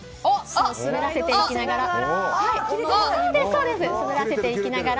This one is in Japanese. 滑らせていきながらです。